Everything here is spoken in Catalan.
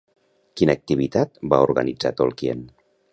Quina activitat va organitzar Tolkien?